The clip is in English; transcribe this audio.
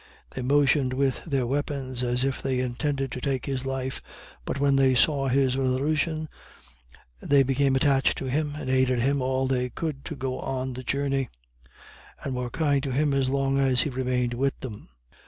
They motioned with their weapons as if they intended to take his life, but when they saw his resolution they became attached to him, and aided him all they could to go on the journey, and were kind to him as long as he remained with them.